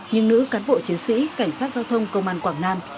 nhưng nữ cán bộ chiến sĩ cảnh sát giao thông công an quảng nam